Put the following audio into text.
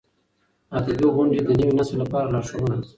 ادبي غونډې د نوي نسل لپاره لارښوونه ده.